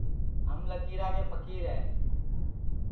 ہم لکیرا کے پھکیر ہے